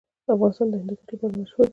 افغانستان د هندوکش لپاره مشهور دی.